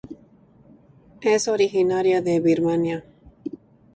Es originaria de Birmania.